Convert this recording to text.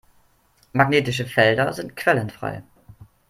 Magnetische Felder sind quellenfrei.